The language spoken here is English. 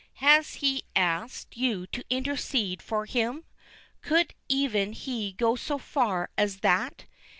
"Has he asked you to intercede for him? Could even he go so far as that?